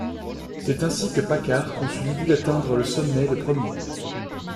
C'est ainsi que Paccard conçut l'idée d'atteindre le sommet le premier.